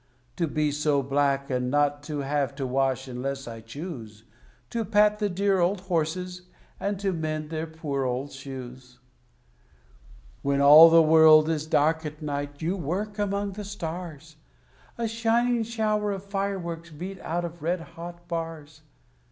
To be so black, and not to have to wash unless I choose; To pat the dear old horses, and to mend their poor old shoes. When all the world is dark at night, you work among the stars, A shining shower of fireworks beat out of red hot bars.